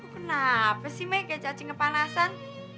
kenapa sih may kayak cacing kepanasan